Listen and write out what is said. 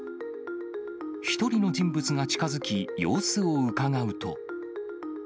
１人の人物が近づき、様子をうかがうと。